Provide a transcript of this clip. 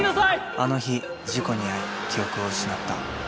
あの日事故に遭い記憶を失った